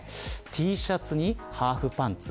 Ｔシャツにハーフパンツ。